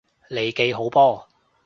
利記好波！